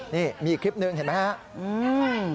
นี่มีอีกคลิปหนึ่งเห็นไหมครับ